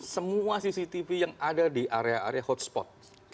semua cctv yang ada di area area hotspot